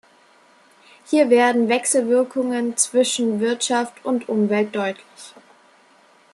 Hier werden Wechselwirkungen zwischen Wirtschaft und Umwelt deutlich.